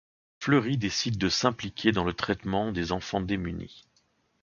Fleury décide de s’impliquer dans le traitement des enfants démunis.